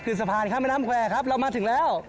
คือสะพานข้ามแม่น้ำแควร์ครับเรามาถึงแล้ว